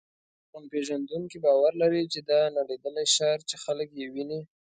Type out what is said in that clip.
لرغونپېژندونکي باور لري چې دا نړېدلی ښار چې خلک یې ویني.